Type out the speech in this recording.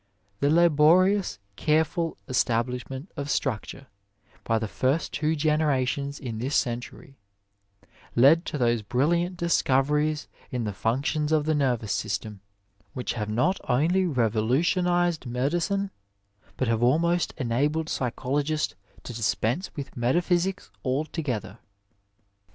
The laborious, careful establishment of structure by the first two generations in this century led to those brilliant dis coveries in the functions of the nervous system which have not only revolutionized medicine, but have almost enabled psychologists to dispense with metaphysics altogether.